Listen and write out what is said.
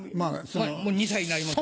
もう２歳になりますよ。